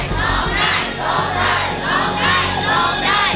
ร้องได้ร้องได้ร้องได้ร้องได้